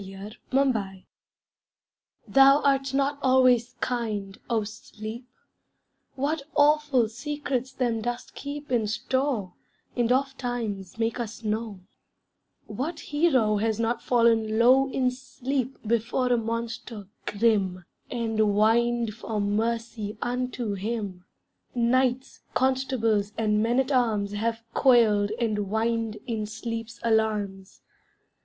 DREAM TRAGEDIES Thou art not always kind, O sleep: What awful secrets them dost keep In store, and ofttimes make us know; What hero has not fallen low In sleep before a monster grim, And whined for mercy unto him; Knights, constables, and men at arms Have quailed and whined in sleep's alarms.